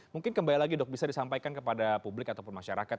mungkin kembali lagi dok bisa disampaikan kepada publik ataupun masyarakat